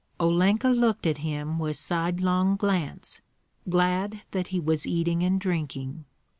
Olenka looked at him with sidelong glance, glad that he was eating and drinking.